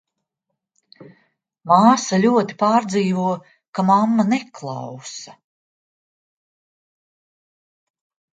Māsa ļoti pārdzīvo, ka mamma neklausa.